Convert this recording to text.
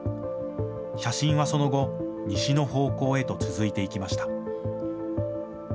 写真はその後、西の方向へと続いていきました。